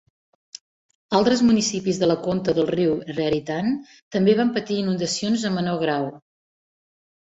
Altres municipis de la conca del riu Raritan també van patir inundacions en menor grau.